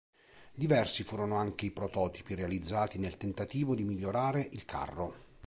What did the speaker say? Diversi furono anche i prototipi realizzati nel tentativo di migliorare il carro.